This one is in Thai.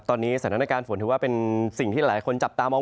ตอนนี้สถานการณ์ฝนถือว่าเป็นสิ่งที่หลายคนจับตามอง